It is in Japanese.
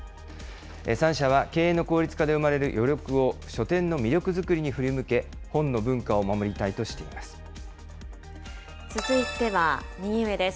３社は経営の効率化で生まれる余力を書店の魅力作りに振り向け、続いては、右上です。